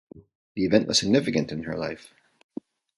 The event was significant in her life.